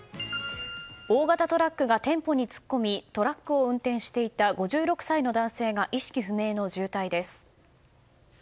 大型トラックが店舗に突っ込みトラックを運転していた５６歳の男性が意識不明の重体です。